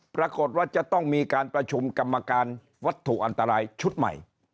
ปรากฏว่าจะต้องมีการประชุมกรรมการวัตถุอันตรายชุดใหม่